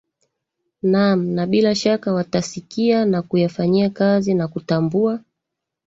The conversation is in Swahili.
naam na bila shaka watasikia na kuyafanyia kazi na kutambua